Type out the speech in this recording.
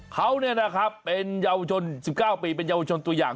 เขาเป็นเยาวชน๑๙ปีเป็นเยาวชนตัวอย่าง